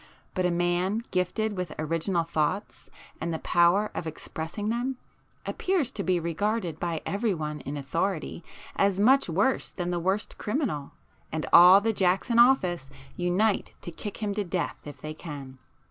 But a man gifted with original thoughts and the power of expressing them, appears to be regarded by everyone in authority as much worse than the worst criminal, and all the 'jacks in office' unite to kick him to death if they can.